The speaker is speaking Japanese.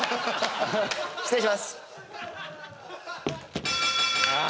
失礼します。